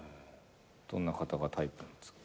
どんな方がタイプなんですか？